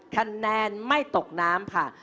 คะแนนไม่ตกน้ำค่ะ